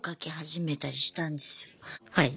はい。